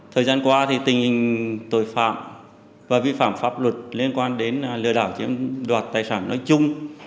thời gian qua tình hình tội phạm và vi phạm pháp luật liên quan đến lừa đảo chiếm đoạt tài sản nói chung